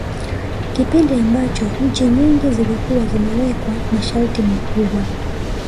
Kipindi ambacho nchi nyingi zilikuwa zimeweka masharti makubwa